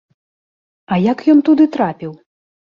А як ён туды трапіў?